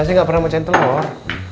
saya gak pernah mecahin telur